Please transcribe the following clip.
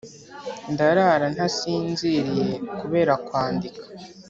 ndarara ntasinziriye kubera kwandika